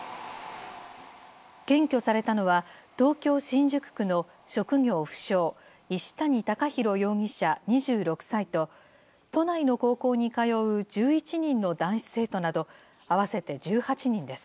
検挙されたのは、東京・新宿区の職業不詳、石谷貴裕容疑者２６歳と、都内の高校に通う１１人の男子生徒など、合わせて１８人です。